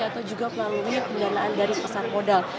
atau juga melalui pendanaan dari pasar modal